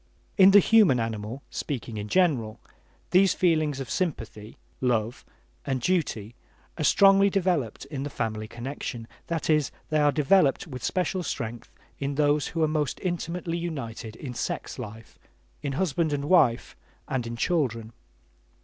In the human animal, speaking in general, these feelings of sympathy (love) and duty are strongly developed in the family connection; that is, they are developed with special strength in those who are most intimately united in sex life, in husband and wife and in children.